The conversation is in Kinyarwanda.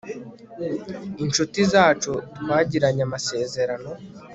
incuti zacu twagiranye amasezerano